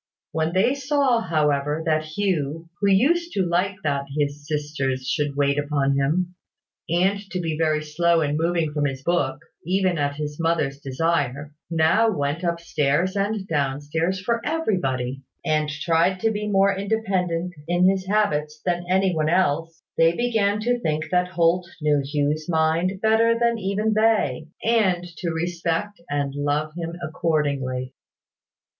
When they saw, however, that Hugh, who used to like that his sisters should wait upon him, and to be very slow in moving from his book, even at his mother's desire, now went up stairs and down stairs for everybody, and tried to be more independent in his habits than any one else, they began to think that Holt knew Hugh's mind better than even they, and to respect and love him accordingly.